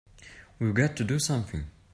We've got to do something!